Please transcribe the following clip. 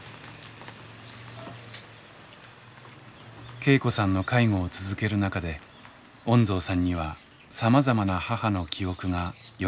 恵子さんの介護を続ける中で恩蔵さんにはさまざまな母の記憶がよみがえるようになっていました。